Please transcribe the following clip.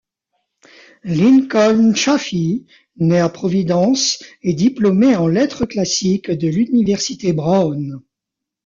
Lincoln Chafee, né à Providence, est diplômé en lettres classiques de l'université Brown.